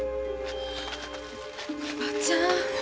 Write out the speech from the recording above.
おばちゃん。